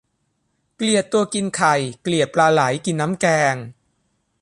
เกลียดตัวกินไข่ เกลียดปลาไหลกินน้ำแกง